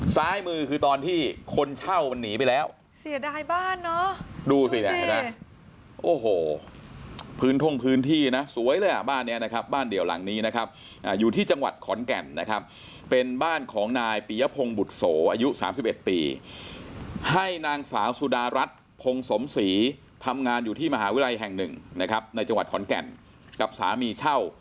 ซ้ายมือคือตอนที่คนเช่ามันหนีไปแล้วเสียดายบ้านเนอะดูสิเนี่ยเห็นไหมโอ้โหพื้นท่งพื้นที่นะสวยเลยอ่ะบ้านเนี้ยนะครับบ้านเดี่ยวหลังนี้นะครับอยู่ที่จังหวัดขอนแก่นนะครับเป็นบ้านของนายปียพงศ์บุตรโสอายุ๓๑ปีให้นางสาวสุดารัฐพงสมศรีทำงานอยู่ที่มหาวิทยาลัยแห่งหนึ่งนะครับในจังหวัดขอนแก่นกับสามีเช่า